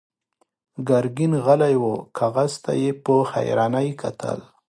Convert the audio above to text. ګرګين غلی و، کاغذ ته يې په حيرانۍ کتل.